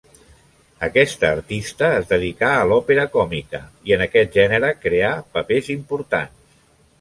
Aquesta artista es dedicà a l'òpera còmica, i en aquest gènere creà papers importants.